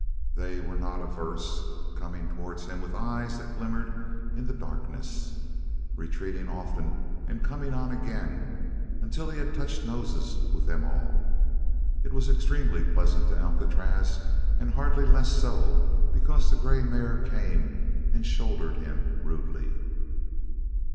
They were not averse, coming towards him with eyes that glimmered in the darkness, retreating often and coming on again, until he had touched noses with them all. It was extremely pleasant to Alcatraz and hardly less so because the grey mare came and shouldered him rudely.